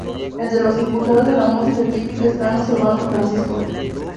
Entre los impulsores de la música típica están los hermanos Francisco.